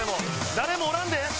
誰もおらんで。